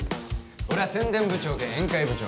俺は宣伝部長兼宴会部長